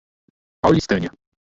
Paulistânia